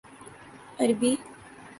عربی